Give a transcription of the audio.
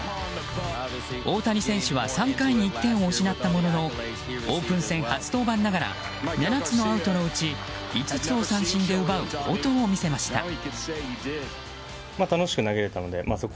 大谷選手は３回に１点を失ったもののオープン戦初登板ながら７つのアウトのうち５つを三振で奪う好投を見せました。